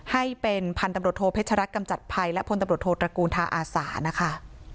ให้เป็นพันธุ์ตำรวจโทเพชรกำจัดภัยและพลตำรวจโทตระกูลทาอาสานะคะ